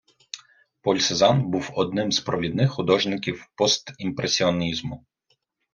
Поль Сезанн був одним з провідних художників постімпресіонізму.